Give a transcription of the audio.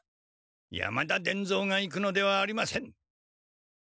山田伝蔵が行くのではありません。